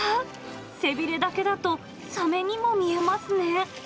背びれだけだとサメにも見えますね。